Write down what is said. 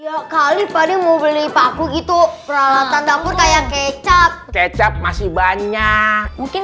dua kali pada mau beli paku gitu peralatan dapur kayak kecap kecap masih banyak mungkin